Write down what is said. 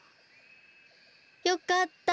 よかった。